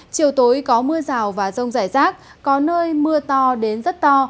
chiều tối có mưa rào và rông rải rác có nơi mưa to đến rất to